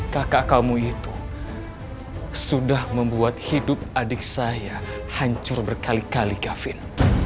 kakak kamu itu sudah membuat hidup adik saya hancur berkali kali kevin